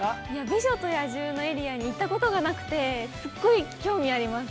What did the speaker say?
◆美女と野獣のエリアに行ったことがなくてすごく興味があります。